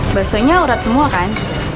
mastonya urat semua kan